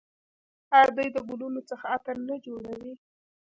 آیا دوی د ګلونو څخه عطر نه جوړوي؟